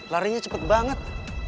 laringnya cepet banget